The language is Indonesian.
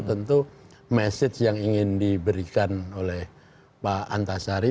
tentu message yang ingin diberikan oleh pak antasari